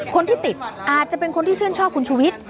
คนที่ติดอาจจะเป็นคนที่ชื่นชอบคุณชุวิต